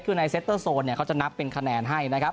คือในเซตเตอร์โซนเนี่ยเขาจะนับเป็นคะแนนให้นะครับ